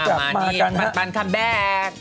อ้าวมานี่ปันคัมแบ๊ก